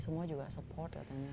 semua juga support katanya